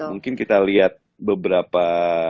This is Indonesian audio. mungkin kita liat beberapa